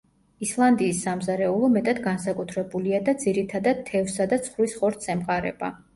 ისლანდიის სამზარეულო მეტად განსაკუთრებულია და ძირითადად, თევზსა და ცხვრის ხორცს ემყარება.